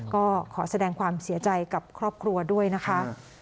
ก็ขอแสดงความเสียใจกับครอบครัวด้วยนะคะ